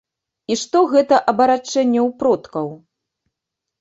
І што гэта абарачэнне ў продкаў.